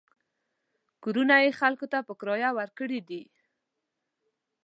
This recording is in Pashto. کورونه یې خلکو ته په کرایه ورکړي دي.